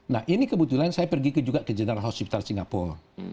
nah ini kebetulan saya pergi juga ke general hospital singapura